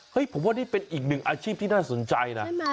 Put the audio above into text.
เฮ้ยผมว่านี่เป็นอีกหนึ่งอาชีพที่น่าสงสัยน่ะใช่มั้ย